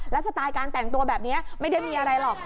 สไตล์การแต่งตัวแบบนี้ไม่ได้มีอะไรหรอก